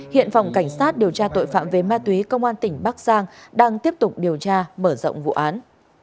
hiện phòng cảnh sát điều tra tội phạm về ma túy công an tỉnh bắc giang đang tiếp tục điều tra mở rộng vụ án